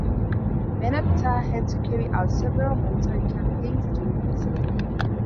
Merneptah had to carry out several military campaigns during his reign.